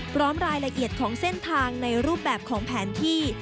พร้อมรายละเอียดของเส้นทางในรูปแบบของแผนที่